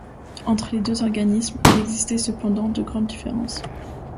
Entre les deux organismes, il existait cependant de grandes différences.